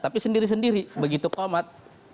tapi sendiri sendiri begitu komat